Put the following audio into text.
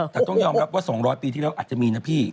แต่ต้องยอมรับว่า๒๐๐ปีที่แล้วอาจจะมีนะพี่